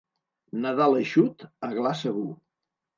Nadal eixut, aglà segur.